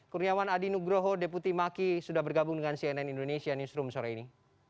kurniawan adi nugroho deputi maki sudah bergabung dengan cnn indonesia newsroom sore ini